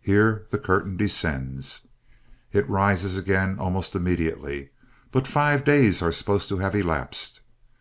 Here the curtain descends. It rises again almost immediately, but five days are supposed to have elapsed.